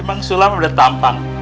emang sulam udah tampang